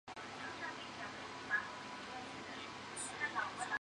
该陨坑附近的月海表面上分布有一些低矮的皱岭。